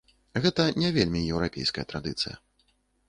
Гэта не вельмі еўрапейская традыцыя.